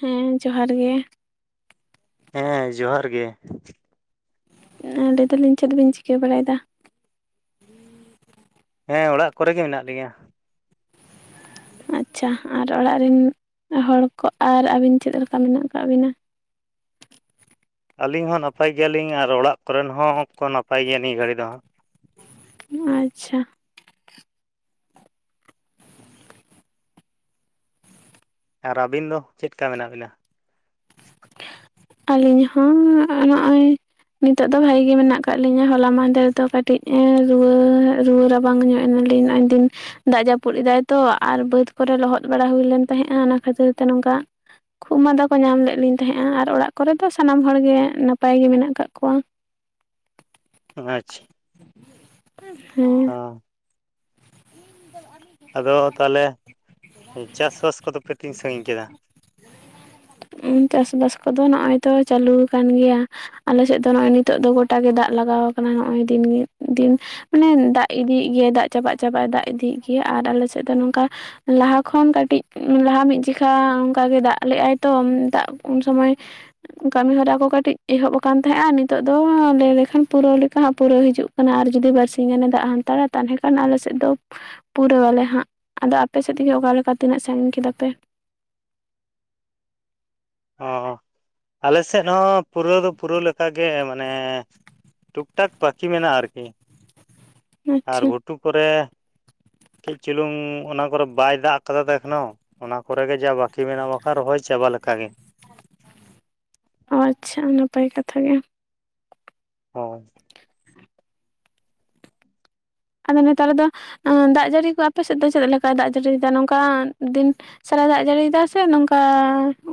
ᱦᱮᱸ ᱡᱚᱦᱟᱨ ᱜᱮ᱾ ᱦᱮᱸ ᱡᱚᱦᱟᱨ ᱜᱮ᱾ ᱞᱟᱹᱭ ᱮᱫᱟᱞᱤᱧ ᱪᱮᱫ ᱵᱮᱱ ᱪᱤᱠᱟᱹ ᱵᱟᱲᱟᱭ ᱮᱫᱟ? ᱦᱮᱸ ᱚᱲᱟᱜ ᱠᱚᱨᱮ ᱜᱮ ᱢᱮᱱᱟᱜ ᱞᱤᱧᱟ ᱾ ᱟᱪᱪᱷᱟ ᱟᱨ ᱚᱲᱟᱜ ᱨᱮᱱ ᱦᱚᱲ ᱠᱚ ᱟᱨ ᱟᱹᱵᱤᱱ ᱪᱮᱫ ᱞᱮᱠᱟ ᱢᱮᱱᱟᱜ ᱟᱠᱟᱜ ᱵᱤᱱᱟ? ᱟᱹᱞᱤᱧ ᱦᱚᱸ ᱱᱟᱯᱟᱭ ᱜᱮᱭᱟᱞᱤᱧ ᱟᱨ ᱚᱲᱟᱜ ᱠᱚᱨᱮᱱ ᱦᱚᱸ ᱠᱚ ᱱᱟᱯᱟᱭ ᱜᱮᱭᱟ ᱱᱤᱭᱟᱹ ᱜᱷᱟᱹᱲᱤ ᱫᱚ ᱦᱟᱸᱜ᱾ ᱟᱪᱪᱷᱟ᱾ ᱟᱨ ᱟᱹᱵᱤᱱ ᱫᱚ ᱪᱮᱫ ᱠᱟ ᱢᱮᱱᱟᱜ ᱵᱤᱱᱟ? [inaudible] ᱟᱹᱞᱤᱧ ᱦᱚᱸ ᱱᱚᱸᱜᱼᱚᱭ ᱱᱤᱛᱚᱜ ᱫᱚ ᱵᱷᱟᱜᱤ ᱜᱮ ᱢᱮᱱᱟᱜ ᱟᱠᱟᱫ ᱞᱤᱧᱟ, ᱦᱚᱞᱟ ᱢᱟᱦᱫᱷᱮᱨ ᱫᱚ ᱠᱟᱹᱴᱤᱡ ᱮ ᱨᱩᱣᱟᱹ ᱨᱩᱣᱟᱹ ᱨᱟᱵᱟᱝ ᱧᱚᱜ ᱮᱱᱟᱞᱤᱧ ᱱᱚᱸᱜᱼᱚᱭ ᱫᱤᱱ ᱾ ᱫᱟᱜ ᱡᱟᱹᱯᱩᱫ ᱮᱫᱟᱭ ᱛᱚ ᱟᱨ ᱵᱟᱹᱫᱽ ᱠᱚᱨᱮ ᱞᱚᱦᱚᱫ ᱵᱟᱲᱟ ᱦᱩᱭ ᱞᱮᱱ ᱛᱟᱦᱮᱸᱫᱼᱟ ᱚᱱᱟ ᱠᱷᱟᱹᱛᱤᱨ ᱛᱮ ᱱᱚᱝᱠᱟ᱾ ᱠᱷᱩᱜ ᱢᱟᱸᱫᱟ ᱠᱚ ᱧᱟᱢ ᱞᱮᱫ ᱞᱤᱧ ᱛᱟᱦᱮᱸᱜᱼᱟ ᱟᱨ ᱚᱲᱟᱜ ᱠᱚᱨᱮ ᱫᱚ ᱥᱟᱱᱟᱢ ᱦᱚᱲ ᱜᱮ ᱱᱟᱯᱟᱭ ᱜᱮ ᱢᱮᱱᱟᱜ ᱟᱠᱟᱜ ᱠᱚᱣᱟ ᱾ ᱚ ᱟᱪᱪᱷ ᱦᱮᱸ᱾ [inaudible] ᱟᱫᱚ ᱛᱟᱦᱟᱞᱮ [inaudible] ᱪᱟᱥ ᱵᱟᱥ ᱠᱚᱫᱚ ᱯᱮ ᱛᱤᱱ ᱥᱟᱺᱜᱤᱧ ᱠᱮᱫᱟ? ᱩᱸ ᱪᱟᱥᱵᱟᱥ ᱠᱚᱫᱚ ᱱᱚᱸᱜᱼᱚᱭ ᱛᱚ ᱪᱟᱹᱞᱩᱣ ᱟᱠᱟᱱ ᱜᱮᱭᱟ ᱾ ᱟᱞᱮ ᱥᱮᱫ ᱫᱚ ᱱᱚᱜᱼᱚᱭ ᱱᱤᱛᱚᱜ ᱫᱚ ᱜᱚᱴᱟ ᱜᱮ ᱫᱟᱜ ᱞᱟᱜᱟᱣ ᱟᱠᱟᱱᱟ ᱱᱚᱜᱼᱚᱭ ᱫᱤᱱ ᱜᱮ ᱫᱤᱱ ᱾ ᱢᱟᱱᱮ ᱫᱟᱜ ᱤᱫᱤᱭᱮᱜ ᱜᱮᱭᱟᱭ, ᱫᱟᱜ ᱪᱟᱵᱟᱜ ᱪᱟᱵᱟᱜ ᱮ ᱫᱟᱜ ᱤᱫᱤᱭᱮᱜ ᱜᱮᱭᱟ ᱟᱨ ᱟᱞᱮ ᱥᱮᱫ ᱫᱚ ᱱᱚᱝᱠᱟ ᱞᱟᱦᱟ ᱠᱷᱚᱱ ᱠᱟᱹᱴᱤᱡ ᱞᱟᱦᱟ ᱢᱤᱫ ᱡᱤᱠᱷᱟ ᱚᱱᱠᱟ ᱜᱮ ᱫᱟᱜ ᱞᱮᱫᱟᱭ ᱛᱚ ᱫᱟᱜ ᱩᱱ ᱥᱚᱢᱚᱭ᱾ ᱠᱟᱹᱢᱤ ᱦᱚᱨᱟ ᱠᱚ ᱠᱟᱹᱴᱤᱡ ᱮᱦᱚᱵ ᱟᱠᱟᱱ ᱛᱟᱦᱮᱸᱜᱼᱟ, ᱱᱤᱛᱚᱜ ᱫᱚ ᱞᱟᱹᱭ ᱞᱮᱠᱷᱟᱱ ᱯᱩᱨᱟᱹᱣ ᱞᱮᱠᱟ ᱦᱟᱸᱜ ᱯᱩᱨᱟᱹᱣ ᱦᱤᱡᱩᱜ ᱠᱟᱱᱟ ᱟᱨ ᱡᱩᱫᱤ ᱵᱟᱨᱥᱤᱧ ᱜᱟᱱᱮ ᱫᱟᱜ ᱦᱟᱱᱛᱟᱲᱟ, ᱛᱟᱦᱟᱞᱮ ᱠᱷᱟᱱ ᱟᱞᱮ ᱥᱮᱫ ᱫᱚ ᱯᱩᱨᱟᱹᱣ ᱟᱞᱮ ᱦᱟᱸᱜ ᱾ ᱟᱫᱚ ᱟᱯᱮ ᱥᱮᱫ ᱛᱮᱜᱮ ᱚᱠᱟ ᱞᱮᱠᱟ ᱛᱤᱱᱟᱹᱜ ᱥᱟᱺᱜᱤᱧ ᱠᱮᱫᱟ ᱯᱮ? ᱚ ᱟᱞᱮ ᱥᱮᱫ ᱦᱚᱸ ᱯᱩᱨᱟᱹᱣ ᱫᱚ ᱯᱩᱨᱟᱹᱣ ᱞᱮᱠᱟᱜᱮ, ᱢᱟᱱᱮ ᱴᱩᱠ ᱴᱟᱠ ᱵᱟᱠᱤ ᱢᱮᱱᱟᱜᱼᱟ ᱟᱨᱠᱤ ᱾ [inaudible] ᱟᱨ ᱟᱪᱪᱷᱟ ᱜᱷᱩᱴᱩ ᱠᱚᱨᱮ ᱠᱟᱹᱡ ᱪᱩᱞᱩᱝ ᱚᱱᱟ ᱠᱚᱨᱮ ᱵᱟᱭ ᱫᱟᱜ ᱟᱠᱟᱫᱟ ᱛᱚ ᱮᱠᱷᱚᱱᱳ ᱾ ᱚᱱᱟ ᱠᱚᱨᱮ ᱜᱮ ᱡᱟ ᱵᱟᱹᱠᱤ ᱢᱮᱱᱟᱜ-ᱟ, ᱵᱟᱠᱷᱟᱱ ᱨᱚᱦᱚᱭ ᱪᱟᱵᱟ ᱞᱮᱠᱟ ᱜᱮ ᱾ ᱚ ᱟᱪᱪᱷᱟ, ᱱᱟᱯᱟᱭ ᱠᱟᱛᱷᱟ ᱜᱮ ᱾ ᱦᱚ ᱸ ᱾ ᱟᱫᱚ ᱱᱮᱛᱟᱨ ᱫᱚ ᱮᱸ ᱫᱟᱜ ᱡᱟᱹᱲᱤ ᱠᱚ ᱟᱯᱮ ᱥᱮᱫ ᱫᱚ ᱪᱮᱫ ᱞᱮᱠᱟᱭ ᱫᱟᱜ ᱡᱟᱹᱲᱤᱭᱮᱫᱟ? ᱱᱚᱝᱠᱟᱱ ᱫᱤᱱ ᱥᱟᱨᱟᱭ ᱫᱟᱜ ᱡᱟᱹᱲᱤᱭ ᱮᱫᱟ ᱥᱮ ᱱᱚᱝᱠᱟ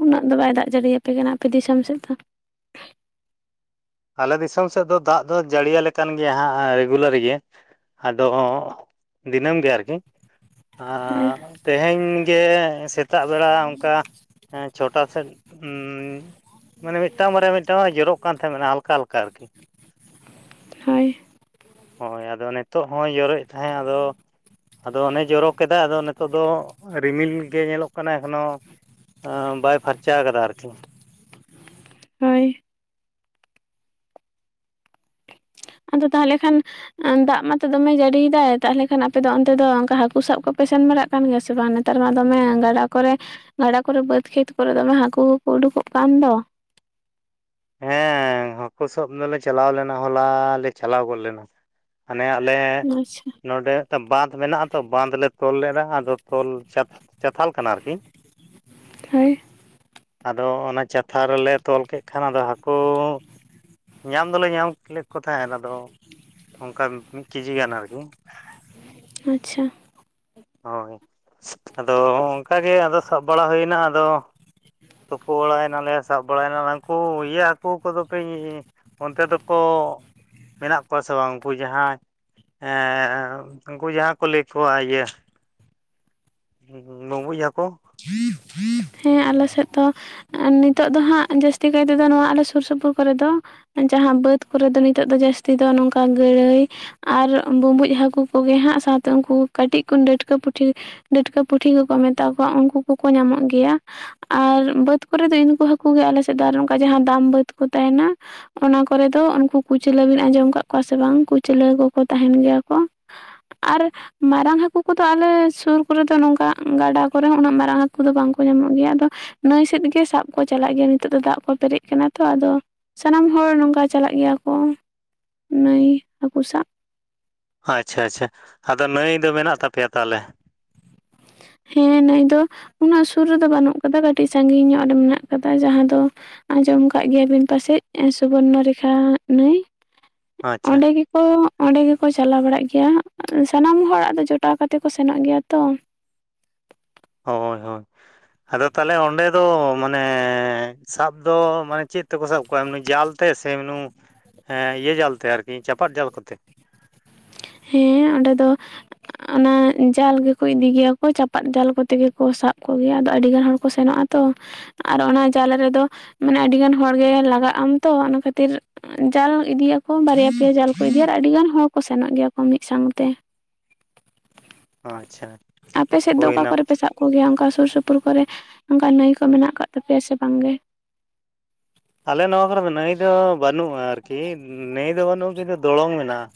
ᱩᱱᱟᱹᱜ ᱫᱚ ᱵᱟᱭ ᱫᱟᱜ ᱡᱟᱹᱲᱤᱭ ᱟᱯᱮ ᱠᱟᱱᱟ ᱟᱯᱮ ᱫᱤᱥᱚᱢ ᱥᱮᱫ ᱫᱚ? ᱟᱞᱮ ᱫᱤᱥᱚᱢ ᱥᱮᱫ ᱫᱚ ᱫᱟᱜ ᱫᱚ ᱡᱟᱹᱲᱤᱭ ᱟᱞᱮ ᱠᱟᱱ ᱜᱮᱭᱟ ᱦᱟᱸᱜ ᱨᱮᱜᱩᱞᱟᱨ ᱜᱮ ᱾ ᱟᱫᱚᱻ ᱫᱤᱱᱟᱹᱢ ᱜᱮ ᱟᱨᱠᱤ ᱾ ᱟᱨᱻ ᱛᱮᱦᱮᱧ ᱜᱮ ᱥᱮᱛ ᱥᱮᱛᱟᱜ ᱵᱮᱲᱟ ᱚᱱᱠᱟ ᱮᱸ ᱪᱷᱚᱴᱟ ᱥᱮᱫ, ᱩᱸᱻ ᱢᱟᱱᱮ ᱢᱤᱫᱴᱟᱝ ᱵᱟᱨᱭᱟ ᱢᱤᱫᱴᱟᱝ ᱵᱟᱨᱭᱟ ᱡᱚᱨᱚᱜ ᱠᱟᱱ ᱛᱟᱦᱮᱸᱫ ᱢᱟᱱᱮ ᱦᱟᱞᱠᱟ ᱦᱟᱞᱠᱟ ᱟᱨᱠᱤ ᱾ [inaudible] ᱦᱳᱭ ᱾ ᱦᱳᱭ ᱟᱫᱚ ᱱᱤᱛᱚᱜ ᱦᱚᱸᱭ ᱡᱚᱨᱚᱭᱮᱫ ᱛᱟᱦᱮᱸᱫ, ᱟᱫᱚ ᱟᱫᱚ ᱚᱱᱮ ᱡᱚᱨᱚ ᱠᱮᱫᱟ, ᱟᱫᱚ ᱱᱤᱛᱚᱜ ᱫᱚ ᱨᱤᱢᱤᱞ ᱜᱮ ᱧᱮᱞᱚᱜ ᱠᱟᱱᱟ ᱮᱠᱷᱚᱱᱳ ᱾ ᱟᱻ ᱵᱟᱭ ᱯᱷᱟᱨᱪᱟ ᱟᱠᱟᱫᱟ ᱟᱨᱠᱤ ᱾ ᱦᱳᱭ ᱟᱫᱚ ᱛᱟᱦᱟᱞᱮ ᱠᱷᱟᱱ ᱼᱼ ᱫᱟᱜ ᱢᱟᱛᱚ ᱫᱚᱢᱮ ᱡᱟᱹᱲᱤᱭᱮᱫᱟᱭ, ᱛᱟᱦᱟᱞᱮ ᱠᱷᱟᱱ ᱟᱯᱮ ᱫᱚ ᱚᱱᱛᱮ ᱫᱚ, ᱠᱟ ᱦᱟᱹᱠᱩ ᱥᱟᱵ ᱠᱚᱯᱮ ᱥᱮᱱ ᱵᱟᱲᱟᱜ ᱼᱼ ᱠᱟᱱ ᱜᱮᱭ-ᱟ ᱥᱮ ᱵᱟᱝ? ᱱᱮᱛᱟᱨ ᱢᱟ ᱫᱚᱢᱮ ᱜᱟᱰᱟ ᱠᱚᱨᱮ ᱼᱼ ᱜᱟᱰᱟ ᱠᱚᱨᱮ ᱵᱟᱹᱫᱽ ᱠᱷᱮᱛ ᱠᱚᱨᱮ, ᱫᱚᱢᱮ ᱦᱟᱹᱠᱩ ᱠᱚᱼᱠᱚ ᱩᱰᱩᱠᱚ-ᱜ ᱠᱟᱱ ᱫᱚ। ᱦᱮᱸᱻ ᱦᱟᱹᱠᱩ ᱥᱟᱵ ᱫᱚᱞᱮ ᱪᱟᱞᱟᱣ ᱞᱮᱱᱟ, ᱦᱚᱞᱟᱻ ᱞᱮ ᱪᱟᱞᱟᱣ ᱜᱚᱫ ᱞᱮᱱᱟ। ᱦᱟᱱᱮ ᱟᱞᱮ ᱼᱼ ᱟᱪᱪᱷᱟ ᱱᱚᱰᱮ ᱢᱤᱫᱴᱮᱱ ᱵᱟᱸᱫᱽᱷ ᱢᱮᱱᱟᱜᱼᱟ᱾ ᱛᱚ, ᱵᱟᱸᱫᱽᱷ ᱞᱮ ᱛᱚᱞ ᱞᱮᱫᱟ ᱟᱫᱚ ᱛᱚᱞ ᱪᱟ ᱪᱟᱛᱷᱟᱞ ᱠᱟᱱᱟ ᱟᱨᱠᱤ। ᱦᱳᱭ ᱟᱫᱚ ᱚᱱᱟ ᱪᱟᱛᱷᱟ ᱨᱮᱞᱮ ᱛᱚᱞ ᱠᱮᱫ ᱠᱷᱟᱱ, ᱟᱫᱚ ᱦᱟᱹᱠᱩ ᱼᱼ ᱧᱟᱢ ᱫᱚᱞᱮ ᱧᱟᱢ ᱞᱮᱜ ᱠᱚ ᱛᱟᱦᱮᱸᱱ, ᱟᱫᱚ ᱚᱱᱠᱟ ᱢᱤᱫ ᱠᱮᱡᱤ ᱜᱟᱱ ᱟᱨᱠᱤ। ᱟᱪᱪᱷᱟ᱾ ᱦᱳᱭ, ᱟᱫᱚ ᱚᱱᱠᱟ ᱜᱮ, ᱟᱫᱚ ᱥᱟᱵ ᱵᱟᱲᱟ ᱦᱩᱭᱱᱟ। ᱟᱫᱚ ᱼᱼ ᱛᱩᱯᱳ ᱵᱟᱲᱟᱭ ᱱᱟᱞᱮ, ᱥᱟᱵ ᱵᱟᱲᱟᱭ ᱱᱟᱞᱮ। ᱩᱱᱠᱩ ᱤᱭᱟᱹ ᱦᱟᱹᱠᱩ ᱠᱚᱼᱫᱚ ᱯᱮ ᱼᱼ ᱚᱱᱛᱮ ᱫᱚ-ᱠᱚ ᱢᱮᱱᱟ-ᱜ ᱠᱚᱣᱟ ᱥᱮ ᱵᱟᱝ? ᱩᱱᱠᱩ ᱡᱟᱦᱟᱸᱭ ᱼᱼ ᱮᱸᱻ ᱩᱱᱠᱩ ᱡᱟᱦᱟᱸ ᱠᱚ ᱞᱟᱹᱭ ᱠᱚᱣᱟ᱾ ᱤᱭᱟᱹ ᱵᱩᱸᱵᱩᱡ ᱦᱟᱹᱠᱩ। [inaudible] ᱦᱮᱸ ᱟᱞᱮ ᱥᱮᱫ ᱫᱚ, ᱱᱤᱛᱚᱜ ᱫᱚ ᱦᱟᱸᱜ ᱡᱟᱹᱥᱛᱤ ᱠᱟᱭ ᱛᱮᱫᱚ, ᱱᱚᱣᱟ ᱟᱞᱮ ᱥᱩᱨ ᱥᱩᱯᱩᱨ ᱠᱚᱨᱮ ᱫᱚ ᱼᱼ ᱡᱟᱦᱟᱸ ᱵᱟᱹᱫᱽ ᱠᱚᱨᱮ ᱫᱚ, ᱱᱤᱛᱚᱜ ᱫᱚ ᱡᱟᱹᱥᱛᱤ ᱫᱚ ᱱᱚᱝᱠᱟ ᱜᱟᱹᱲᱟᱹᱭ ᱼᱼ ᱟᱨ ᱵᱩᱸᱵᱩᱡ ᱦᱟᱹᱠᱩ ᱠᱚᱜᱮ ᱦᱟᱸᱜ, ᱥᱟᱶᱛᱮ ᱩᱱᱠᱩ ᱠᱟᱹᱴᱤᱡ ᱠᱷᱚᱱ ᱰᱟᱹᱴᱠᱟᱹ ᱯᱩᱴᱷᱤ ᱰᱟᱴᱠᱟᱹ ᱯᱩᱴᱷᱤ ᱠᱚᱼᱠᱚ ᱢᱮᱛᱟ ᱠᱚᱣᱟ᱾ ᱩᱱᱠᱩ ᱠᱚᱼᱠᱚ ᱧᱟᱢᱚᱜ ᱜᱮ ᱜᱮᱭᱟ᱾ ᱟᱨ ᱵᱟᱹᱫᱽ ᱠᱚᱨᱮ ᱫᱚ ᱩᱱᱠᱩ ᱦᱟᱹᱠᱩ ᱜᱮ, ᱟᱞᱮ ᱥᱮᱫ ᱫᱚ ᱟᱨ ᱚᱱᱠᱟ ᱡᱟᱦᱟᱸ ᱫᱟᱢ ᱵᱟᱹᱫᱽ ᱠᱚ ᱛᱟᱦᱮᱱᱟ ᱚᱱᱟ ᱠᱚᱨᱮ ᱫᱚ, ᱩᱱᱠᱩ ᱠᱩᱪᱞᱟᱹ ᱵᱤᱱ ᱟᱸᱡᱚᱢ ᱠᱟᱜ ᱠᱚᱣᱟ ᱾ ᱥᱮ ᱵᱟᱝ ᱠᱩᱪᱞᱟᱹ ᱠᱚᱼᱠᱚ ᱛᱟᱦᱮᱱ ᱜᱮᱭᱟ ᱠᱚ। ᱟᱨ ᱼᱼ ᱢᱟᱨᱟᱝ ᱦᱟᱹᱠᱩ ᱠᱚᱼᱫᱚ ᱟᱞᱮ ᱥᱩᱨ ᱠᱚᱨᱮ ᱫᱚ ᱱᱚᱝᱠᱟ ᱜᱟᱰᱟ ᱠᱚᱨᱮ ᱩᱱᱟᱹᱜ ᱢᱟᱨᱟᱝ ᱦᱟᱹᱠᱩ ᱫᱚ ᱵᱟᱝ ᱼᱼ ᱠᱚ ᱧᱟᱢᱚᱜ ᱜᱮᱭᱟ। ᱟᱫᱚ ᱱᱟᱹᱭ ᱥᱮᱫ ᱜᱮ ᱥᱟᱵ ᱠᱚ ᱪᱟᱞᱟᱜ ᱜᱮᱭᱟ। ᱱᱤᱛᱚᱜ ᱫᱚ ᱫᱟᱜ ᱠᱚ ᱯᱮᱨᱮᱡ ᱠᱟᱱᱟ ᱛᱚ, ᱟᱫᱚ ᱼᱼ ᱥᱟᱱᱟᱢ ᱦᱚᱲ, ᱱᱚᱝᱠᱟ ᱪᱟᱞᱟᱜ ᱜᱮᱭ-ᱟ ᱠᱚ ᱾ ᱱᱟᱹᱭ ᱦᱟᱹᱠᱩ ᱥᱟᱵ। ᱟᱪᱪᱷᱟ ᱟᱪᱪᱷᱟ ᱟᱫᱚ ᱱᱟᱹᱭ ᱫᱚ ᱢᱮᱱᱟᱜ ᱛᱟᱯᱮᱭᱟ ᱛᱟᱦᱟᱞᱮ? ᱦᱮᱸ ᱱᱩᱭ ᱫᱚ, ᱩᱱᱟᱹᱜ ᱥᱩᱨ ᱨᱮᱫᱚ ᱵᱟᱹᱱᱩᱜ ᱠᱟᱫᱟ ᱾ᱠᱟᱹᱴᱤᱡ ᱥᱟᱜᱤᱧ ᱧᱚᱜ ᱨᱮ ᱢᱮᱱᱟᱜ ᱠᱟᱫᱟ᱾ ᱢᱟᱱᱮ ᱡᱟᱦᱟᱸ ᱫᱚ ᱟᱸᱡᱚᱢ ᱟᱠᱟᱫ ᱜᱮᱭᱟᱵᱤᱱ ᱯᱟᱥᱮᱡ? ᱥᱩᱵᱚᱨᱱᱚᱨᱮᱠᱷᱟ ᱱᱟᱹᱭ ᱟᱪᱪᱷᱟ ᱚᱸᱰᱮᱜᱮ ᱠᱚ ᱚᱸᱰᱮ ᱜᱮᱠᱚ ᱪᱟᱞᱟᱣ ᱵᱟᱲᱟᱜ ᱜᱮᱭᱟ᱾ ᱥᱟᱱᱟᱢ ᱦᱚᱲᱟᱜ ᱫᱚ ᱡᱚᱴᱟᱣ ᱠᱟᱛᱮ ᱠᱚ ᱥᱮᱱᱚᱜ ᱜᱮᱭᱟ ᱛᱚ᱾ ᱦᱳᱭ, ᱦᱳᱭ, ᱟᱫᱚ ᱛᱟᱦᱚᱞᱮ ᱚᱸᱰᱮ ᱫᱚ, ᱢᱟᱱᱮ ᱥᱟᱵ ᱫᱚ ᱢᱟᱱᱮ ᱪᱮᱫ ᱛᱮᱠᱚ ᱥᱟᱵ ᱠᱚᱣᱟ᱾ ᱮᱢᱱᱤ ᱡᱟᱞ ᱛᱮ ᱥᱮ ᱮᱢᱱᱤ ᱤᱭᱟᱹ ᱡᱟᱞ ᱛᱮ ᱟᱨᱠᱤ ᱪᱟᱯᱟᱫ ᱡᱟᱞ ᱠᱚᱛᱮ? ᱦᱮᱸ ᱚᱸᱰᱮ ᱫᱚ ᱚᱱᱟ ᱡᱟᱞ ᱜᱮᱠᱚ ᱤᱫᱤ ᱜᱮᱭᱟ ᱠᱚ, ᱪᱟᱯᱟᱫ ᱡᱟᱞ ᱠᱚᱛᱮ ᱜᱮᱠᱚ ᱥᱟᱵ ᱠᱚᱜᱮᱭ-ᱟ ᱾ ᱟᱫᱚ ᱟᱹᱰᱤ ᱜᱟᱱ ᱦᱚᱲ ᱠᱚ ᱥᱮᱱᱚᱜᱼᱟ ᱛᱚ᱾ ᱟᱨᱚ ᱚᱱᱟ ᱡᱟᱞᱮ ᱨᱮᱫᱚ, ᱢᱟᱱᱮ ᱟᱹᱰᱤ ᱜᱟᱱ ᱦᱚᱲᱜᱮ ᱞᱟᱜᱟᱜ ᱟᱢ ᱛᱚ ᱾ᱚᱱᱟ ᱠᱷᱟᱹᱛᱤᱨ ᱡᱟᱞ ᱤᱫᱤᱭᱟᱠᱚ, ᱵᱟᱨᱭᱟ ᱯᱮᱭᱟ ᱡᱟᱞ ᱠᱚ ᱤᱫᱤᱭᱟ ᱟᱨ ᱟᱹᱰᱤ ᱜᱟᱱ ᱦᱚᱲ ᱠᱚ ᱥᱮᱱᱚᱜ ᱜᱮᱭᱟ ᱢᱤᱫ ᱥᱟᱶᱛᱮ᱾ ᱟᱪᱪᱷᱟ ᱟᱯᱮ ᱥᱮᱫ ᱫᱚ ᱚᱠᱟ ᱦᱳᱭᱱᱟ ᱠᱚᱨᱮ ᱯᱮ ᱥᱟᱵ ᱠᱚᱜᱮᱭᱟ᱾ ᱚᱱᱠᱟ ᱥᱩᱨ ᱥᱩᱯᱩᱨ ᱠᱚᱨᱮ, ᱚᱱᱠᱟ ᱱᱟᱹᱭ ᱠᱚ ᱢᱮᱱᱟᱜ ᱟᱠᱟᱫ ᱛᱟᱯᱮᱭ-ᱟ ᱥᱮ ᱵᱟᱝ ᱜᱮ? ᱟᱞᱮ ᱱᱚᱣᱟ ᱠᱚᱨᱮ ᱫᱚ ᱱᱟᱹᱭ ᱫᱚ ᱵᱟᱹᱱᱩᱜᱼᱟ, ᱟᱨᱠᱤ ᱱᱟᱹᱭ ᱫᱚ ᱵᱟᱹᱱᱩᱜᱼᱟ᱾ ᱠᱤᱱᱛᱩ ᱫᱚᱲᱚᱝ ᱢᱮᱱᱟᱜᱼᱟ᱾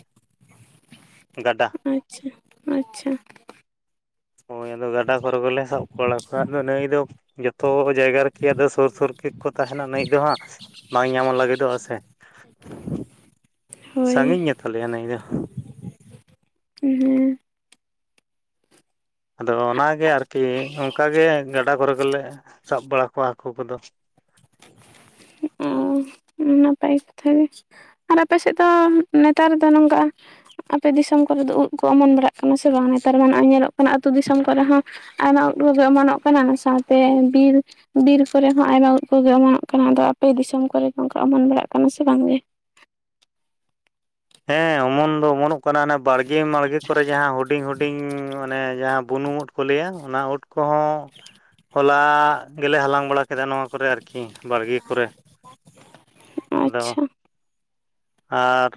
ᱜᱟᱰᱟ ᱟᱪᱪᱷᱟ ᱟᱪᱪᱷᱟ᱾ ᱦᱳᱭ ᱟᱫᱚ ᱜᱟᱰᱟᱸ ᱠᱚᱨᱮ ᱜᱮᱞᱮ ᱥᱟᱵ ᱵᱟᱲᱟ᱾ ᱠᱚᱣᱟ ᱟᱫᱚ ᱱᱟᱹᱭ ᱫᱚ ᱡᱚᱛᱚ ᱡᱟᱭᱜᱟ ᱨᱮᱠᱤ ᱟᱫᱚ ᱥᱩᱨ ᱥᱩᱨ ᱜᱮᱠᱚ ᱛᱟᱦᱮᱱᱟ, ᱱᱟᱹᱭ ᱫᱚ ᱦᱟᱸᱜ ᱵᱟᱝ ᱧᱟᱢᱚᱜ ᱞᱟᱹᱜᱤᱫᱚᱜᱼᱟ ᱥᱮ᱾ [inaudible] ᱦᱳᱭ ᱥᱟᱺᱜᱤᱧ ᱜᱮ ᱛᱟᱞᱮᱭᱟ ᱱᱟᱹᱭ ᱫᱚ᱾ ᱦᱩᱸᱻ ᱦᱩᱻᱸ᱾ ᱟᱫᱚ ᱚᱱᱟ ᱜᱮ ᱟᱹᱨᱠᱤ, ᱚᱱᱠᱟ ᱜᱮ ᱜᱟᱰᱟ ᱠᱚᱨᱮ ᱜᱮᱞᱮ ᱥᱟᱵ ᱵᱟᱲᱟ ᱠᱚᱣᱟ ᱦᱟᱹᱠᱩ ᱠᱚᱫᱚ᱾ ᱩᱸ ᱱᱟᱯᱟᱭ ᱠᱟᱛᱷᱟ ᱜᱮ᱾ ᱟᱨ ᱟᱯᱮᱥᱮᱫ ᱫᱚ ᱱᱮᱛᱟᱨ ᱫᱚ ᱱᱚᱝᱠᱟ ᱟᱯᱮ ᱫᱤᱥᱚᱢ ᱠᱚᱨᱮ ᱫᱚ ᱩᱫ ᱠᱚ ᱚᱢᱚᱱ ᱵᱟᱲᱟᱜ ᱠᱟᱱᱟ ᱥᱮ ᱵᱟᱝ? ᱱᱮᱛᱟᱨ ᱢᱟ ᱱᱚᱜᱼᱚᱭ ᱧᱮᱞᱚᱜ ᱠᱟᱱᱟ ᱟᱹᱛᱩ ᱫᱤᱥᱚᱢ ᱠᱚᱨᱮ ᱦᱚᱸ ᱟᱭᱢᱟ ᱩᱫ ᱠᱚᱜᱮ ᱚᱢᱚᱱᱚᱜ ᱠᱟᱱᱟ᱾ ᱚᱱᱟ ᱥᱟᱶᱛᱮ ᱵᱤᱨ, ᱵᱤᱨ ᱠᱚᱨᱮ ᱦᱚᱸ ᱟᱭᱢᱟ ᱩᱫ ᱠᱚᱜᱮ ᱚᱢᱚᱱᱚᱜ ᱠᱟᱱᱟ᱾ ᱟᱫᱚ ᱟᱯᱮ ᱫᱤᱥᱚᱢ ᱠᱚᱨᱮ ᱜᱮ ᱚᱱᱠᱟ ᱚᱢᱚᱱ ᱵᱟᱲᱟᱜ ᱠᱟᱱᱟ ᱥᱮ ᱵᱟᱝ ᱜᱮ? ᱦᱮᱸ ᱚᱢᱚᱱ ᱫᱚ ᱚᱢᱚᱱᱚᱜ ᱠᱟᱱᱟ, ᱚᱱᱟ ᱵᱟᱲᱜᱮ ᱢᱟᱲᱜᱮ ᱠᱚᱨᱮ ᱡᱟᱦᱟᱸ ᱦᱩᱰᱤᱧ ᱦᱩᱰᱤᱧ ᱢᱟᱱᱮ ᱡᱟᱦᱟᱸ ᱵᱩᱱᱩᱢ ᱩᱫ ᱠᱚ ᱞᱟᱹᱭᱼᱟ, ᱚᱱᱟ ᱩᱫ ᱠᱚᱦᱚᱸ ᱦᱚᱞᱟ ᱜᱮᱞᱮ ᱦᱟᱞᱟᱝ ᱵᱟᱲᱟ ᱠᱮᱫᱟ᱾ ᱱᱚᱣᱟ ᱠᱚᱨᱮ ᱟᱨᱠᱤ ᱵᱟᱲᱜᱮ ᱠᱚᱨᱮ ᱟᱫᱚ ᱟᱪᱪᱷᱟ ᱟᱨ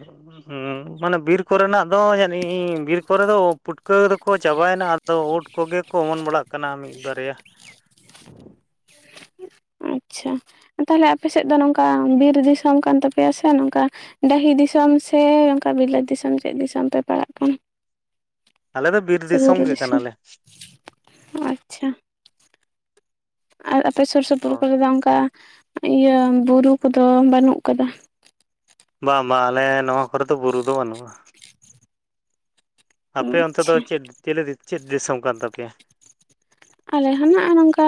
ᱩᱸ ᱢᱟᱱᱮ ᱵᱤᱨ ᱠᱚᱨᱮᱱᱟᱜ ᱫᱚ ᱡᱟᱱᱤ ᱵᱤᱨ ᱠᱚᱨᱮ ᱫᱚ ᱯᱩᱴᱠᱟᱹ ᱫᱚᱠᱚ ᱪᱟᱵᱟᱭ ᱮᱱᱟ ᱟᱨ ᱛᱟᱣ ᱩᱫ ᱠᱚᱜᱮ ᱠᱚ ᱚᱢᱚᱱ ᱵᱟᱲᱟᱜ ᱠᱟᱱᱟ ᱢᱤᱫ ᱵᱟᱨᱭᱟ᱾ ᱟᱪᱪᱷᱟ, ᱛᱟᱦᱞᱮ ᱟᱯᱮ ᱥᱮᱫ ᱫᱚ ᱱᱚᱝᱠᱟ ᱵᱤᱨ ᱫᱤᱥᱚᱢ ᱠᱟᱱ ᱛᱟᱯᱮᱭᱟ ᱥᱮ ᱱᱚᱝᱠᱟ ᱰᱟᱹᱦᱤ ᱫᱤᱥᱚᱢ ᱥᱮ ᱚᱱᱠᱟ ᱵᱤᱞᱟᱹᱛ ᱫᱤᱥᱚᱢ ᱪᱮᱫ ᱫᱤᱥᱚᱢ ᱯᱮ ᱯᱟᱲᱟᱜ ᱠᱟᱱᱟ? ᱟᱞᱮ ᱫᱚ ᱵᱤᱨ ᱥᱮ ᱵᱩᱨᱩ ᱜᱮ ᱫᱤᱥᱚᱢ? ᱠᱟᱱᱟᱞᱮ ᱟᱪᱪᱷᱟ᱾ ᱟᱨ ᱟᱯᱮ ᱥᱩᱨ ᱥᱩᱯᱩᱨ ᱦᱳᱭ ᱠᱚᱨᱮ ᱫᱚ ᱚᱱᱠᱟ ᱤᱭᱟᱹᱭ ᱵᱩᱨᱩ ᱠᱚᱫᱚ ᱵᱟᱹᱱᱩᱜ ᱟᱠᱟᱫᱟ? ᱵᱟᱝ, ᱵᱟᱝ, ᱟᱞᱮ ᱱᱚᱣᱟ ᱠᱚᱨᱮ ᱫᱚ ᱵᱩᱨᱩ ᱫᱚ ᱵᱟᱹᱱᱩᱜᱼᱟ᱾ ᱟᱯᱮ ᱚᱱᱛᱮ ᱟᱪᱪᱷᱟ ᱫᱚ ᱪᱮᱫ ᱪᱤᱞ ᱪᱮᱫ ᱫᱤᱥᱚᱢ ᱠᱟᱱ ᱛᱟᱯᱮᱭᱟ? ᱟᱞᱮ ᱦᱚᱸ ᱱᱟᱜ ᱱᱚᱝᱠᱟ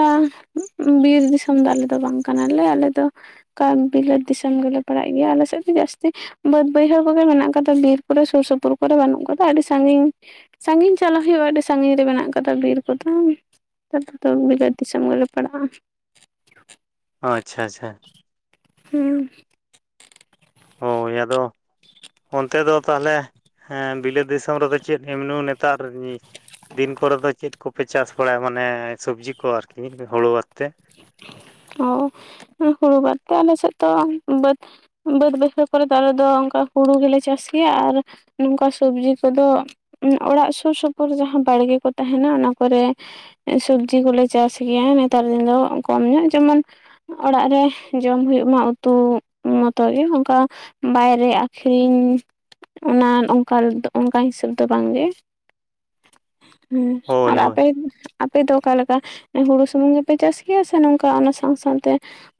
ᱵᱤᱨ ᱫᱤᱥᱚᱢ ᱫᱚ ᱟᱞᱮ ᱫᱚ ᱵᱟᱝ ᱠᱟᱱᱟ ᱞᱮ, ᱟᱞᱮ ᱫᱚ ᱚᱠᱟ ᱵᱤᱞᱟᱹᱛ ᱫᱤᱥᱚᱢ ᱜᱮᱞᱮ ᱯᱟᱲᱟᱜ ᱜᱮᱭᱟ, ᱟᱞᱮ ᱥᱮᱫ ᱫᱚ ᱡᱟᱹᱥᱛᱤ ᱵᱟᱹᱫᱽ ᱵᱟᱹᱭᱦᱟᱹᱲ ᱠᱚᱜᱮ ᱢᱮᱱᱟᱜ ᱠᱟᱫᱟ᱾ ᱵᱤᱨ ᱠᱚᱨᱮ ᱥᱩᱨ ᱥᱩᱯᱩᱨ ᱠᱚᱨᱮ ᱵᱟᱹᱱᱩᱜ ᱠᱟᱫᱟ᱾ ᱟᱹᱰᱤ ᱥᱟᱺᱜᱤᱧ ᱥᱟᱺᱜᱤᱧ ᱪᱟᱞᱟ ᱦᱩᱭᱩᱜᱼᱟ, ᱟᱹᱰᱤ ᱥᱟᱺᱜᱤᱧ ᱨᱮ ᱢᱮᱱᱟᱜ ᱟᱠᱟᱫᱼᱟ ᱵᱤᱨ ᱠᱚᱫᱚ᱾ ᱛᱟᱨᱯᱚᱨᱮ ᱫᱚ ᱵᱤᱞᱟᱹᱛ ᱫᱤᱥᱚᱢ ᱜᱮᱞᱮ ᱯᱟᱲᱟᱜᱼᱟ᱾ ᱚ ᱟᱪᱪᱷᱟ, ᱟᱪᱪᱷᱟ᱾ ᱦᱩᱸ᱾ ᱦᱳᱭ ᱟᱫᱚ, ᱚᱱᱛᱮ ᱫᱚ ᱛᱟᱦᱞᱮ ᱦᱮ ᱵᱤᱞᱟᱹᱛ ᱫᱤᱥᱚᱢ ᱨᱮᱫᱚ ᱪᱮᱫ ᱮᱢᱱᱤ ᱢᱟᱱᱮ ᱛᱟᱨᱻᱱᱤ ᱫᱤᱱ ᱠᱚᱨᱮ ᱫᱚ ᱪᱮᱫ ᱠᱚᱯᱮ ᱪᱟᱥ ᱵᱟᱲᱟᱭᱟ? ᱢᱟᱱᱮ ᱥᱚᱵᱽᱡᱤ ᱠᱚ ᱟᱹᱨᱠᱤ ᱦᱩᱲᱩ ᱵᱟᱫᱽ ᱛᱮ? ᱚ ᱦᱩᱲᱩ ᱵᱟᱫ ᱛᱮ ᱟᱞᱮ ᱥᱮᱫ ᱫᱚ ᱵᱟᱹᱫᱽ ᱵᱟᱹᱫᱽ ᱵᱟᱹᱭᱟᱹᱲ ᱠᱚᱨᱮ ᱫᱚ ᱟᱞᱮ ᱫᱚ ᱚᱱᱠᱟ ᱦᱩᱲᱩ ᱜᱮᱞᱮ ᱪᱟᱥ ᱜᱮᱭᱟ ᱟᱨ ᱱᱚᱝᱠᱟ ᱥᱚᱵᱽᱡᱤ ᱠᱚᱫᱚ ᱚᱲᱟᱜ ᱥᱩᱨ ᱥᱩᱯᱩᱨ, ᱡᱟᱦᱟᱸ ᱵᱟᱲᱜᱮ ᱠᱚ ᱛᱟᱦᱮᱱᱟ᱾ ᱚᱱᱟ ᱠᱚᱨᱮ ᱥᱚᱵᱽᱡᱤ ᱠᱚᱞᱮ ᱪᱟᱥ ᱜᱮᱭᱟ, ᱱᱮᱛᱟᱨ ᱫᱤᱱ ᱫᱚ ᱠᱚᱢ ᱧᱚᱜ ᱡᱮᱢᱚᱱ ᱚᱲᱟᱜ ᱨᱮ ᱡᱚᱢ ᱦᱳᱜ ᱢᱟ ᱩᱛᱩ ᱢᱚᱛᱚ ᱜᱮ ᱚᱱᱠᱟ᱾ ᱵᱟᱭᱨᱮ ᱟᱹᱠᱷᱨᱤᱧ ᱚᱱᱟ ᱚᱱᱠᱟ ᱚᱱᱠᱟ ᱦᱤᱥᱟᱹᱵ ᱫᱚ ᱵᱟᱝ ᱜᱮ᱾ ᱦᱩᱸ ᱦᱳᱭ ᱟᱨ ᱦᱳᱭ ᱟᱯᱮ? ᱟᱯᱮ ᱫᱚ ᱚᱠᱟ ᱞᱮᱠᱟ ᱦᱩᱲᱩ ᱥᱩᱢᱩᱝ ᱜᱮᱯᱮ ᱪᱟᱥ ᱜᱮᱭᱟ ᱥᱮ ᱱᱚᱝ ᱚᱱᱠᱟ ᱚᱱᱟ ᱥᱟᱶ ᱥᱟᱶᱛᱮ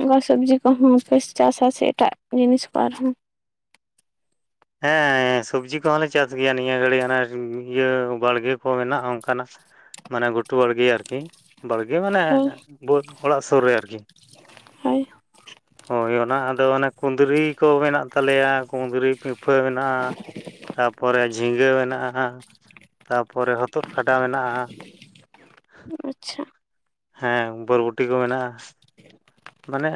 ᱚᱱᱠᱟ ᱥᱚᱵᱽᱡᱤ ᱠᱚᱦᱚᱸ ᱯᱮ ᱪᱟᱥᱟ ᱥᱮ ᱮᱴᱟᱜ ᱡᱤᱱᱤᱥ ᱠᱚ ᱟᱨᱦᱚᱸ ᱦᱮᱸ ᱥᱚᱵᱽᱡᱤ ᱠᱚᱦᱚᱸ ᱞᱮ ᱪᱟᱥ ᱜᱮᱭᱟ, ᱱᱤᱭᱟᱹ ᱜᱷᱟᱹᱲᱤᱡ ᱦᱚᱸ ᱤᱭᱟᱹ ᱵᱟᱲᱜᱮ ᱠᱚ ᱢᱮᱱᱟᱜᱼᱟ, ᱚᱱᱠᱟᱱᱟᱜ ᱢᱟᱱᱮ ᱜᱷᱩᱴᱩ ᱵᱟᱲᱜᱮ ᱟᱨᱠᱤ, ᱵᱟᱲᱜᱮ ᱢᱟᱱᱮ ᱦᱳᱭ ᱚᱲᱟᱜ ᱥᱩᱨ ᱨᱮ ᱟᱨᱠᱤ ᱦᱳᱭ ᱦᱳᱭ ᱚᱱᱟ ᱟᱫᱚ ᱚᱱᱮ ᱠᱩᱫᱽᱨᱤ ᱠᱚ ᱢᱮᱱᱟᱜ ᱛᱟᱞᱮᱭᱟ ᱠᱩᱸᱫᱽᱨᱤ ᱯᱷᱟᱹ ᱢᱮᱱᱟᱜᱼᱟ ᱛᱟᱨᱯᱚᱨᱮ ᱡᱷᱤᱸᱜᱟᱹ ᱢᱮᱱᱟᱜᱼᱟ᱾ ᱛᱟᱯᱚᱨᱮ ᱦᱚᱛᱚᱫ ᱠᱷᱟᱰᱟ ᱢᱮᱱᱟᱜᱼᱟ᱾ ᱟᱪᱪᱷᱟ᱾ ᱦᱮᱸ ᱵᱟᱹᱨᱵᱩᱴᱤ ᱠᱚ ᱢᱮᱱᱟᱜᱼᱟ᱾ ᱢᱟᱱᱮ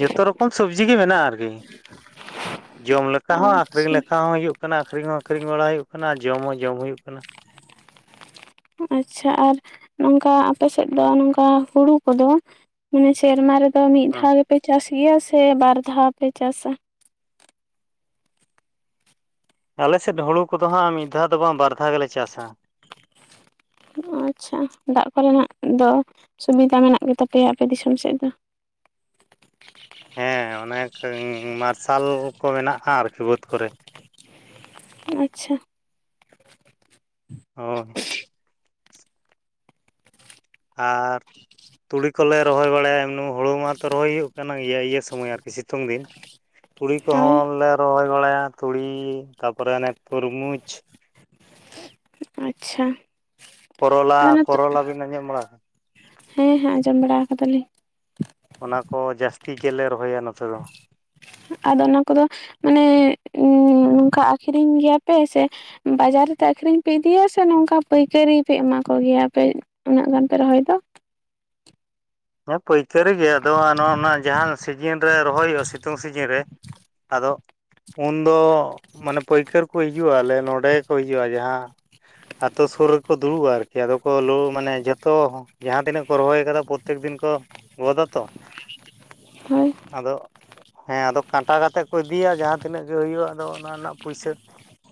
ᱡᱚᱛᱚ ᱨᱚᱠᱚᱢ ᱥᱚᱵᱡᱤ ᱜᱮ ᱢᱮᱱᱟᱜᱼᱟ ᱟᱨᱠᱤ᱾ ᱡᱚᱢ ᱞᱮᱠᱟ ᱦᱚᱸ, ᱟᱠᱷᱨᱤᱧ ᱟᱪᱪᱷᱟ ᱞᱮᱠ ᱦᱚᱸ ᱦᱩᱭᱩᱜ ᱠᱟᱱᱟ ᱟᱠᱷᱨᱤᱧ ᱦᱚᱸ ᱟᱠᱷᱨᱤᱧ ᱵᱟᱲᱟ ᱦᱩᱭᱩᱜ ᱠᱟᱱᱟ ᱟᱨ ᱡᱚᱢ ᱦᱚᱸ ᱡᱚᱢ ᱦᱩᱭᱩᱜ ᱠᱟᱱᱟ᱾ ᱟᱪᱪᱷᱟ ᱟᱨ ᱱᱚᱝᱠᱟ ᱟᱯᱮ ᱥᱮᱫ ᱫᱚ ᱱᱚᱝᱠᱟ ᱦᱩᱲᱩ ᱠᱚᱫᱚ᱾ ᱢᱟᱱᱮ ᱥᱮᱨᱢᱟ ᱨᱮᱫᱚ ᱢᱤᱫ ᱦᱮᱸ ᱫᱷᱟᱣ ᱜᱮᱯᱮ ᱪᱟᱥ ᱜᱮᱭᱟ ᱥᱮ ᱵᱟᱨ ᱫᱷᱟᱣ ᱯᱮ ᱪᱟᱥᱟ? ᱟᱞᱮᱥᱮᱫ ᱦᱩᱲᱩ ᱠᱚᱫᱚ ᱦᱟᱸᱜ ᱢᱤᱫ ᱫᱷᱟᱣ ᱫᱚ ᱵᱟᱝ ᱵᱟᱨ ᱫᱷᱟᱣ ᱜᱮᱞᱮ ᱪᱟᱥᱟ᱾ ᱚ ᱟᱪᱪᱷᱟ ᱫᱟᱜ ᱠᱚᱨᱮᱱᱟᱜ ᱫᱚ ᱥᱩᱵᱤᱫᱟ ᱢᱮᱱᱟᱜ ᱜᱮᱛᱟᱯᱮᱭᱟ ᱟᱯᱮ ᱫᱤᱥᱚᱢ ᱥᱮᱫ ᱫᱚ᱾ [inaudible] ᱦᱮᱸ ᱚᱱᱮᱠᱟ ᱢᱟᱨᱥᱟᱞ ᱠᱚ ᱢᱮᱱᱟᱜᱼᱟ ᱟᱨᱠᱤ ᱵᱟᱹᱫᱽ ᱠᱚᱨᱮ᱾ ᱟᱪᱪᱷᱟ᱾ ᱦᱳᱭ᱾ ᱟᱨ ᱛᱩᱲᱤ ᱠᱚᱞᱮ ᱨᱚᱦᱚᱭ ᱵᱟᱲᱟᱭᱟ ᱮᱢ ᱦᱩᱲᱩ ᱢᱟᱛᱚ ᱨᱚᱦᱚᱭ ᱦᱩᱭᱩᱜ ᱠᱟᱱᱟ ᱜᱮᱭᱟᱹ ᱤᱭᱟᱹ ᱥᱚᱢᱚᱭ ᱟᱨᱠᱤ ᱥᱤᱛᱩᱝ ᱫᱤᱱ᱾ [inaudible] ᱛᱩᱲᱤ ᱦᱳᱭ ᱠᱚᱦᱚᱸ ᱞᱮ ᱨᱚᱦᱚᱭ ᱵᱟᱲᱟᱭᱟ, ᱛᱩᱲᱤ ᱛᱟᱯᱚᱨᱮ ᱚᱱᱮ ᱠᱷᱩᱨᱢᱩᱡᱽ᱾ ᱟᱪᱪᱷᱟ᱾ ᱠᱚᱨᱚᱞᱟ, ᱟᱫᱚ ᱱᱤᱛᱚᱜ ᱠᱚᱨᱚᱞᱟ ᱵᱤᱱ ᱟᱸᱡᱚᱢ ᱵᱟᱲᱟᱜ ᱦᱮᱸ ᱦᱮᱸ ᱟᱸᱡᱚᱢ ᱵᱟᱲᱟᱣ ᱟᱠᱟᱫᱟᱞᱤᱧ ᱚᱱᱟ ᱠᱚ ᱡᱟᱹᱥᱛᱤ ᱜᱮᱞᱮ ᱨᱚᱦᱚᱭᱟ ᱱᱚᱛᱮ ᱫᱚ᱾ ᱟᱫᱚ ᱚᱱᱟ ᱠᱚᱫᱚ ᱢᱟᱱᱮ ᱱᱝᱠᱟ ᱟᱠᱷᱨᱤᱧ ᱜᱮᱭᱟᱯᱮ ᱥᱮ ᱵᱟᱡᱟᱨ ᱨᱮᱛᱮ ᱟᱠᱷᱨᱤᱧ ᱯᱮ ᱤᱫᱤᱭᱟ ᱥᱮ ᱱᱚᱝᱠᱟ ᱯᱟᱹᱭᱠᱟᱹᱨᱤ ᱯᱮ ᱮᱢᱟ ᱠᱚᱜᱮᱭᱟ ᱟᱯᱮ᱾ ᱩᱱᱟᱹᱜ ᱜᱟᱱ ᱯᱮ ᱨᱚᱦᱚᱭ ᱫᱚ᱾ ᱦᱮᱸ ᱯᱟᱹᱭᱠᱟᱹᱨᱤ ᱜᱮ ᱟᱫᱚ ᱱᱚᱜ ᱚᱱᱟ ᱡᱟᱦᱟᱸᱱ ᱥᱤᱡᱤᱱ ᱨᱮ ᱨᱚᱦᱚᱭ ᱦᱩᱭᱩᱜᱼᱟ ᱥᱤᱛᱩᱝ ᱥᱤᱡᱤᱱ ᱨᱮ᱾ ᱟᱫᱚ ᱩᱱᱫᱚ ᱢᱟᱱᱮ ᱯᱟᱹᱭᱠᱟᱹᱨ ᱠᱚ ᱦᱤᱡᱩᱜ ᱟᱞᱮ ᱱᱚᱰᱮ ᱜᱮᱠᱚ ᱦᱤᱡᱩᱜᱼᱟ᱾ ᱡᱟᱦᱟᱸ ᱟᱛᱳ ᱥᱩᱨ ᱨᱮᱠᱚ ᱫᱩᱲᱩᱵᱼᱟ ᱟᱨᱠᱤ ᱟᱫᱚ ᱠᱚ ᱞᱳ ᱢᱟᱱᱮ ᱡᱷᱚᱛᱚ ᱡᱟᱦᱟᱸ ᱛᱤᱱᱟᱹᱜ ᱠᱚ ᱨᱚᱦᱚᱭ ᱟᱠᱟᱫᱟ ᱠᱚ ᱯᱨᱚᱛᱮᱠ ᱫᱤᱱ ᱠᱚ ᱜᱚᱫᱟ ᱛᱚ᱾ ᱦᱳᱭ᱾ ᱟᱫᱚ ᱦᱮᱸ ᱟᱫᱚ ᱠᱟᱸᱴᱟ ᱠᱟᱛᱮᱜ ᱠᱚ ᱤᱫᱤᱭᱟ ᱡᱟᱦᱟᱸ ᱛᱤᱱᱟᱹᱜ ᱜᱮ ᱦᱩᱭᱩᱜᱼᱟ ᱟᱫᱚ ᱚᱱᱟ ᱨᱮᱱᱟᱜ ᱯᱩᱭᱥᱟᱹ᱾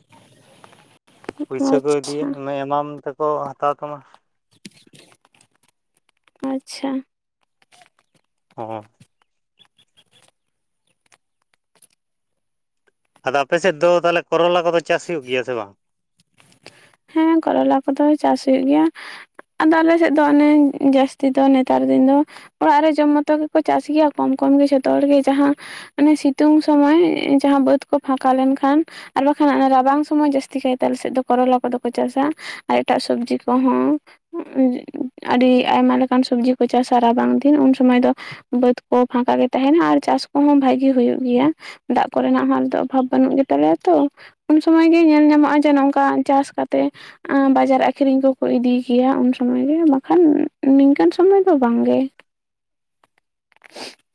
[inaudible] ᱯᱩᱭᱥᱟᱹ ᱠᱚ ᱤᱫᱤᱭᱟ, ᱟᱪᱪᱷᱟ ᱚᱱᱮ ᱮᱢᱟᱢ ᱛᱮᱠᱚ ᱦᱟᱛᱟᱣ ᱛᱟᱢᱟ᱾ ᱟᱪᱪᱷᱟ᱾ ᱦᱚᱸ᱾ ᱟᱫᱚ ᱟᱯᱮ ᱥᱮᱫ ᱫᱚ ᱛᱟᱦᱚᱞᱮ ᱠᱚᱨᱚᱞᱟ ᱠᱚᱫᱚ ᱪᱟᱥ ᱦᱩᱭᱩᱜ ᱜᱮᱭᱟ ᱥᱮ ᱵᱟᱝ? ᱦᱮᱸ ᱠᱚᱨᱚᱞᱟ ᱠᱚᱫᱚ ᱪᱟᱥ ᱦᱩᱭᱩᱜ ᱜᱮᱭᱟ᱾ ᱟᱫᱚ ᱟᱞᱮ ᱥᱮᱫ ᱫᱚ ᱟᱱᱮ ᱡᱟᱹᱥᱛᱤ ᱫᱚ ᱱᱮᱛᱟᱨ ᱫᱤᱱ ᱫᱚ ᱚᱲᱟᱜ ᱨᱮ ᱡᱚᱢ ᱢᱚᱛᱚ ᱜᱮᱠᱚ ᱪᱟᱥ ᱜᱮᱭᱟ ᱠᱚᱢ ᱠᱚᱢ ᱜᱮ ᱡᱷᱚᱛᱚ ᱦᱚᱲᱜᱮ ᱡᱟᱦᱟᱸ ᱚᱱᱮ ᱥᱤᱛᱩᱝ ᱥᱚᱢᱚᱭ ᱡᱟᱦᱟᱸ ᱵᱟᱹᱫᱽ ᱠᱚ ᱯᱷᱟᱸᱠᱟ ᱞᱮᱱᱠᱷᱟᱱ ᱟᱨ ᱵᱟᱠᱷᱟᱱ ᱚᱱᱮ ᱨᱟᱵᱟᱝ ᱥᱚᱢᱚᱭ ᱡᱟᱹᱥᱛᱤ ᱠᱟᱭᱛᱮ ᱟᱞᱮ ᱥᱮᱫ ᱫᱚ ᱠᱚᱨᱚᱞᱟ ᱠᱚᱫᱚ ᱠᱚ ᱪᱟᱥᱟ ᱟᱨ ᱮᱴᱟᱜ ᱥᱚᱵᱡᱤ ᱠᱚᱦᱚᱸ᱾ ᱟᱹᱰᱤ ᱟᱭᱢᱟ ᱞᱮᱠᱟᱱ ᱥᱚᱵᱽᱡᱤ ᱠᱚ ᱪᱟᱥᱟ ᱨᱟᱵᱟᱝ ᱫᱤᱱ ᱾ᱩᱱ ᱥᱚᱢᱚᱭ ᱫᱚᱼᱼ ᱵᱟᱹᱫᱽ ᱠᱚ ᱯᱷᱟᱸᱠᱟ ᱜᱮ ᱛᱟᱦᱮᱱᱟ᱾ ᱟᱨ ᱪᱟᱥ ᱠᱚᱦᱚᱸ ᱵᱷᱟᱹᱜᱮ ᱦᱳᱭᱳᱜ ᱜᱮᱭᱟ᱾ ᱫᱟᱜ ᱠᱚ ᱨᱮᱱᱟᱜ ᱦᱚᱸ ᱱᱤᱛᱚᱜ ᱚᱵᱷᱟᱵᱽ ᱵᱟᱹᱱᱩᱜ ᱜᱮ ᱛᱟᱞᱮᱭᱟ ᱛᱚ᱾ ᱩᱱ ᱥᱚᱢᱚᱭ ᱜᱮ ᱧᱮᱞ ᱧᱟᱢᱚᱜᱼᱟ ᱡᱮ, ᱱᱚᱝᱠᱟ ᱪᱟᱥ ᱠᱟᱛᱮᱼᱼ ᱛᱮ᱾ ᱵᱟᱡᱟᱨ ᱟᱠᱷᱨᱤᱧ ᱠᱚᱠᱚ ᱤᱫᱤᱭ ᱜᱮᱭᱟ ᱩᱱ ᱥᱚᱢᱚᱭ ᱜᱮ, ᱵᱟᱠᱷᱟᱱ ᱱᱤᱝᱠᱟᱹᱱ ᱥᱚᱢᱚᱭ ᱫᱚ ᱵᱟᱝ ᱜᱮ᱾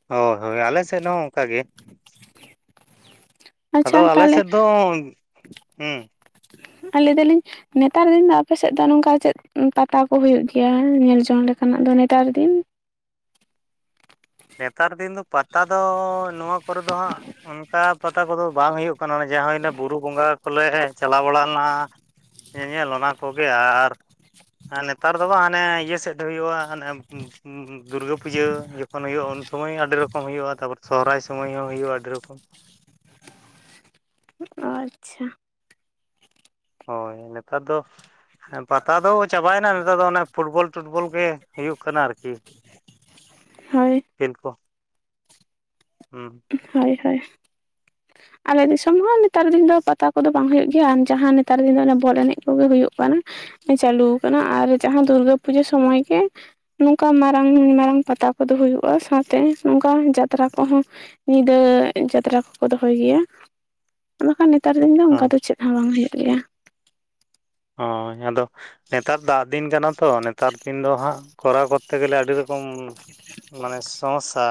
ᱦᱳᱭ, ᱦᱳᱭ ᱟᱞᱮ ᱥᱮᱫ ᱦᱚᱸ ᱚᱱᱠᱟᱜ ᱜᱮ᱾ ᱟᱪᱪᱷᱟ ᱟᱫᱚ ᱟᱞᱮ ᱛᱟᱦᱚᱞᱮ ᱥᱮᱫ ᱫᱚ, ᱦᱩᱸ᱾ ᱟᱨ ᱞᱟᱹᱭ ᱫᱟᱹᱞᱤᱧᱼᱼ ᱱᱮᱛᱟᱨ ᱫᱤᱱ ᱫᱚ ᱟᱯᱮ ᱥᱮᱫ ᱫᱚ ᱱᱚᱝᱠᱟ ᱪᱮᱫ ᱯᱟᱛᱟ ᱠᱚ ᱦᱩᱭᱩᱜ ᱜᱮᱭᱟ? ᱧᱮᱞ ᱡᱚᱝ ᱞᱮᱠᱟᱱᱟᱜ ᱫᱚ ᱱᱮᱛᱟᱨ ᱫᱤᱱ᱾ ᱱᱮᱛᱟᱨ ᱫᱤᱱ ᱫᱚ ᱯᱟᱛᱟ ᱫᱚ ᱱᱚᱣᱟ ᱠᱚᱨᱮ ᱫᱚ ᱦᱟᱸᱜᱼᱼ ᱚᱱᱠᱟ ᱯᱟᱛᱟ ᱠᱚᱫᱚ ᱵᱟᱝ ᱦᱳᱭᱳᱜ ᱠᱟᱱᱟ᱾ [unintelligible] ᱡᱟ ᱦᱳᱭᱱᱟ ᱵᱩᱨᱩ ᱵᱚᱸᱜᱟ ᱠᱚ ᱞᱮᱼᱼ ᱪᱟᱞᱟᱣ ᱵᱟᱲᱟ ᱱᱟ᱾ ᱧᱮᱧᱮᱞ ᱚᱱᱟ ᱠᱚᱜᱮ ᱟᱨ, ᱱᱮᱛᱟᱨ ᱫᱚ ᱵᱟᱝ ᱦᱟᱱᱮ ᱤᱭᱟᱹ ᱥᱮᱫ ᱦᱳᱭᱳᱜᱼᱟ᱾ ᱦᱟᱱᱮᱼᱼ ᱫᱩᱨᱜᱟᱹ ᱯᱩᱡᱟᱹ [unintelligible] ᱛᱚᱠᱷᱚᱱ ᱦᱩᱭᱩᱜᱼᱟ ᱩᱱ ᱥᱩᱢᱚᱭ ᱟᱹᱰᱤ ᱨᱚᱠᱚᱢ ᱦᱩᱭᱩᱜᱼᱟ ᱾ ᱛᱟᱯᱚᱨ ᱥᱚᱦᱨᱟᱭ ᱥᱳᱢᱚᱭ ᱦᱚᱸ ᱦᱩᱭᱩᱜᱼᱟ, ᱟᱹᱰᱤ ᱨᱚᱠᱚᱢ᱾ ᱟᱪᱪᱷᱟ᱾ ᱦᱳᱭ, ᱱᱮᱛᱟᱨ ᱫᱚᱼᱼ ᱦᱮᱸ ᱯᱟᱛᱟ ᱫᱚ ᱪᱟᱵᱟᱭ ᱮᱱᱟ ᱱᱮᱛᱟᱨ ᱫᱚ ᱚᱱᱮ ᱯᱷᱩᱴᱵᱚᱞ ᱴᱩᱴᱵᱚᱞ ᱜᱮ ᱦᱩᱭᱩᱜ ᱠᱟᱱᱟ ᱟᱨᱠᱤ᱾ ᱦᱳᱭ᱾ ᱠᱷᱮᱞ ᱠᱚ, ᱦᱩᱸ᱾ ᱦᱳᱭ, ᱦᱳᱭ᱾ ᱟᱞᱮ ᱫᱤᱥᱚᱢ ᱦᱚᱸ ᱱᱮᱛᱟᱨ ᱫᱤᱱ ᱫᱚ ᱯᱟᱛᱟ ᱠᱚᱫᱚ ᱵᱟᱝ ᱦᱳᱭᱳᱜ ᱜᱮᱭᱟ᱾ ᱟᱨ ᱡᱟᱦᱟᱸ ᱱᱮᱛᱟᱨ ᱫᱤᱱ ᱫᱚ ᱵᱚᱞ ᱮᱱᱮᱡᱽ ᱠᱚᱜᱮ ᱦᱳᱭᱳᱜ ᱠᱟᱱᱟ᱾ ᱪᱟᱹᱞᱩ ᱟᱠᱟᱱᱟ ᱟᱨ ᱡᱟᱦᱟᱸ ᱫᱩᱨᱜᱟᱹ ᱯᱩᱡᱟᱹ ᱥᱚᱢᱚᱭ ᱜᱮᱼᱼ ᱱᱚᱝᱠᱟ ᱢᱟᱨᱟᱝ, ᱢᱟᱨᱟᱝ ᱯᱟᱛᱟ ᱠᱚᱫᱚ ᱦᱩᱭᱩᱜᱼᱟ ᱾ ᱥᱟᱶᱛᱮ ᱱᱚᱝᱠᱟ ᱡᱟᱛᱨᱟ ᱠᱚᱦᱚᱸᱼᱼ ᱧᱤᱫᱟᱹ ᱡᱟᱛᱨᱟ ᱠᱚᱠᱚ ᱫᱚᱦᱚᱭ ᱜᱮᱭᱟ᱾ ᱵᱟᱠᱷᱟᱱ ᱱᱮᱛᱟᱨ ᱫᱤᱱ ᱫᱚ ᱦᱮᱸ ᱚᱱᱠᱟ ᱫᱚ ᱪᱮᱫ᱾ ᱦᱚᱸ, ᱦᱳᱭᱳᱜ ᱜᱮᱭᱟ᱾ ᱦᱳᱭ ᱟᱫᱚ, ᱱᱮᱛᱟᱨ ᱫᱟᱜ ᱫᱤᱱ ᱠᱟᱱᱟ ᱛᱚ᱾ ᱱᱮᱛᱟᱨ ᱫᱤᱱ ᱫᱚ ᱦᱟᱸᱜ ᱠᱚᱨᱟᱣᱼᱼ ᱠᱚᱛᱮ ᱜᱮᱞᱮ ᱟᱹᱰᱤ ᱨᱚᱠᱚᱢ ᱢᱟᱱᱮ ᱥᱚᱢᱚᱥᱥᱟ᱾